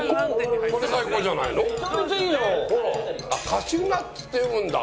「カシューナッツ」って読むんだ。